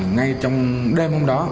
ngay trong đêm hôm đó